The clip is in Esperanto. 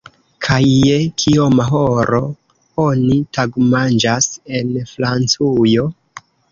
Kaj je kioma horo oni tagmanĝas en Francujo?